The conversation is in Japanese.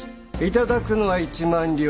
頂くのは１万両。